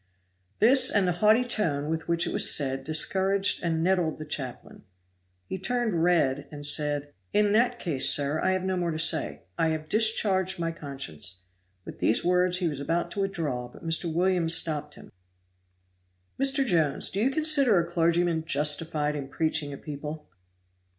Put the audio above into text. This, and the haughty tone with which it was said, discouraged and nettled the chaplain; he turned red and said: "In that case, sir, I have no more to say. I have discharged my conscience." With these words he was about to withdraw, but Mr. Williams stopped him. "Mr. Jones, do you consider a clergyman justified in preaching at people?"